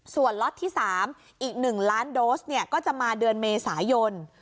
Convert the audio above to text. ส่วนล็อตที่๓อีก๑ล้านโดสก็จะมาเดือนเมษายน